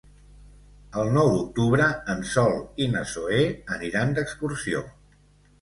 El nou d'octubre en Sol i na Zoè aniran d'excursió.